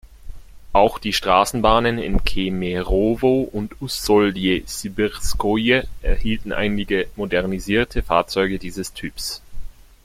Auch die Straßenbahnen in Kemerowo und Ussolje-Sibirskoje erhielten einige modernisierte Fahrzeuge dieses Typs.